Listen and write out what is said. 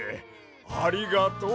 ありがとう！